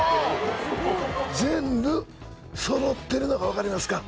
全部そろってるのが分かりますか？